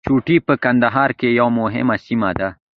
چوڼۍ په کندهار کي یوه مهمه سیمه ده.